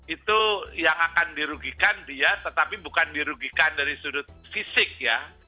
itu yang akan dirugikan dia tetapi bukan dirugikan dari sudut fisik ya